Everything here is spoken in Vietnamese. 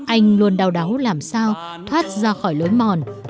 anh luôn đau đáu làm sao thoát ra khỏi lối mòn